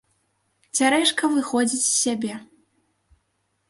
Цярэшка выходзіць з сябе.